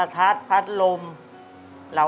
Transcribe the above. ผลทัศน์ภาษาลมและเลี้ยว